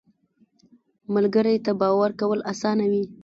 ملګری ته باور کول اسانه وي